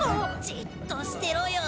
じっとしてろよ。